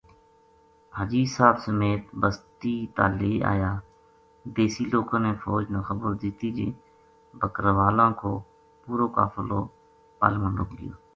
حاجی صاحب سمیت بستی تا لے آیا دیسی لوکاں نے فوج نا خبر دِتی جے بکرالاں کو پورو قافلو پل ما ڈُب گیو